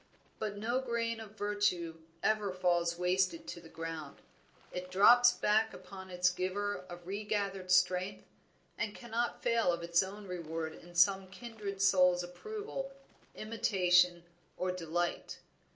But no grain of virtue ever falls wasted to the ground; it drops back upon its giver a regathered strength, and cannot fail of its reward in some kindred soul's approval, imitation, or delight.